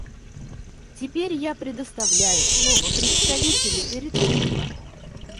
Теперь я предоставляю слово представителю Эритреи.